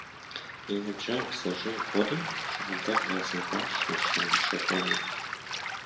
И ныбжьэгъу зыщӏигъури, щӏалэр мэзым кӏуащ мыщэм ещэкӏуэну.